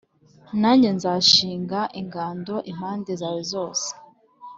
nanjye nzashinga ingando impande zawe zose,